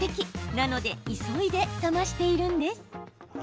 なので急いで冷ましているんです。